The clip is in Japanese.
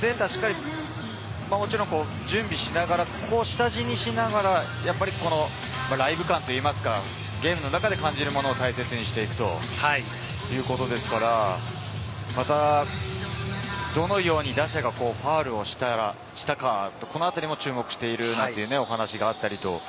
もちろんデータを下地にしながら、ライブ感といいますか、ゲームの中で感じるものを大切にしていくということですから、どのように打者がファウルをしたか、このあたりも注目しているというお話もありました。